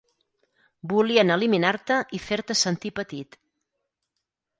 Volien eliminar-te i fer-te sentir petit.